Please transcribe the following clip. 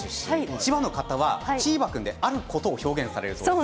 千葉の方はチーバくんであることを表現されるそうですね。